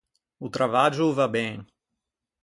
O travaggio o va ben.